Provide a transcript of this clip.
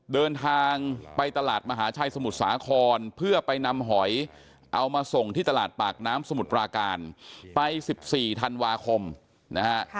เดินทางไปตลาดมหาชัยสมุทรสาครเพื่อไปนำหอยเอามาส่งที่ตลาดปากน้ำสมุทรปราการไป๑๔ธันวาคมนะฮะ